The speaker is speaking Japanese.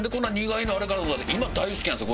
今大好きなんですよ